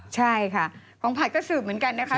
ใช่ค่ะของผัดก็สืบเหมือนกันนะคะ